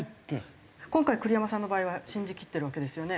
今回栗山さんの場合は信じきってるわけですよね。